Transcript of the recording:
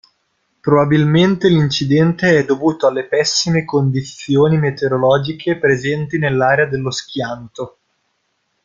Probabilmente l'incidente è dovuto alle pessime condizioni meteorologiche presenti nell'area dello schianto.